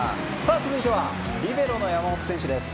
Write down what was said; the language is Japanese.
続いては、リベロの山本選手です。